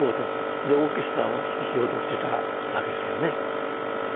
でオーケストラを指揮しようとしてたわけですよね。